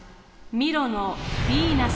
ミロのヴィーナス。